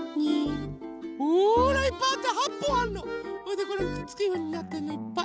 それでこれくっつくようになってんのいっぱい。